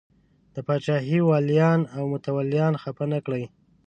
د پاچاهۍ ولیان او متولیان خفه نه کړي.